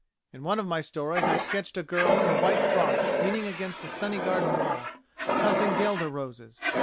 "In one of my stories I sketched a girl in a white frock leaning against a sunny garden wall, tossing guelder roses.